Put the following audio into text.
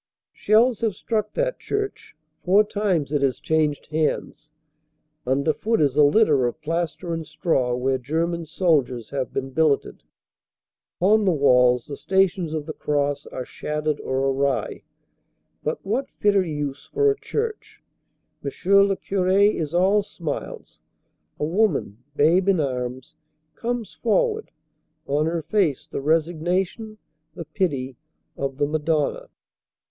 Shells have struck that church; four times it has changed hands. Under foot is a litter of plaster and straw where Ger man soldiers have been billeted. Upon the walls the Stations of the Cross are shattered or awry. But what fitter use for a church? M. le Cure is all smiles. A woman, babe in arms, comes forward, on her face the resignation, the pity, of the Madonna.